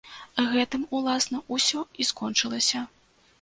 Гэтым, уласна, усё і скончылася.